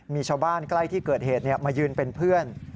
มีชาวบ้านใกล้ที่เกิดเหตุมายืนเป็นเพื่อน